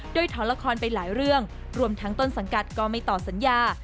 โดยถอนละครไปหลายเรื่องรวมทั้งต้นสังกัดก็ไม่ต่อสัญญา